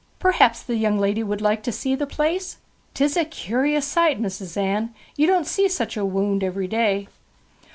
Perhaps the young woman would like to see the place? 'Tis a curious sight, Mis'ess Anne; you don't see such a wownd every day.'